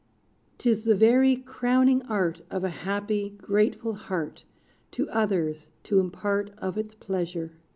'Tis the very crowning art Of a happy, grateful heart To others to impart Of its pleasure.